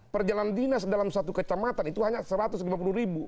perjalanan dinas dalam satu kecamatan itu hanya rp satu ratus lima puluh